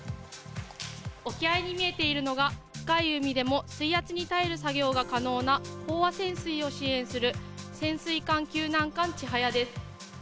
沖合に見えているのが深い海でも水圧に耐える作業が可能な飽和潜水を支援する潜水艦救難艦「ちはや」です。